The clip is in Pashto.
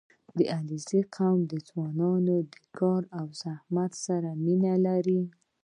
• د علیزي قوم ځوانان د کار او زحمت سره مینه لري.